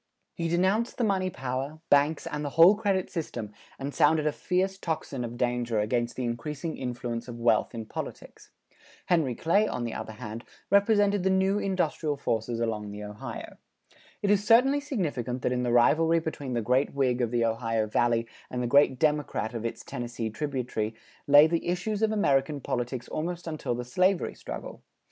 He denounced the money power, banks and the whole credit system and sounded a fierce tocsin of danger against the increasing influence of wealth in politics. Henry Clay, on the other hand, represented the new industrial forces along the Ohio. It is certainly significant that in the rivalry between the great Whig of the Ohio Valley and the great Democrat of its Tennessee tributary lay the issues of American politics almost until the slavery struggle.